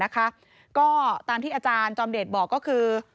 ก็ตามที่อาจารย์จอมเดชบอกก็คือ